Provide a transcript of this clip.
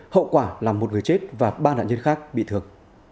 hậu quả là một người chết và ba nạn nhân khác bị thương